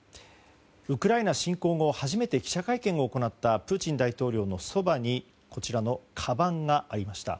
ウクライナ侵攻後初めて記者会見を行ったプーチン大統領のそばにかばんがありました。